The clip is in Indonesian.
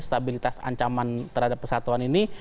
stabilitas ancaman terhadap kesatuan ini